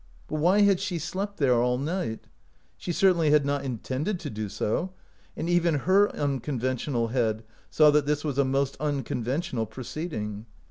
But why had she slept there all night? She certainly had not intended to do so, and even her unconventional head saw that this was a most unconventional proceeding.